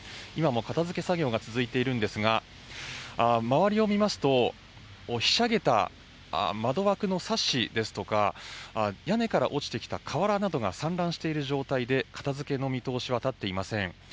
今も片づけ作業が続いているんですが周りを見ますとひしゃげた窓枠のサッシですとか屋根から落ちてきた瓦などが散乱している状態で片づけの見通しは立っていません